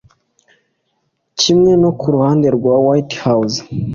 kimwe no ku ruhande rwa White House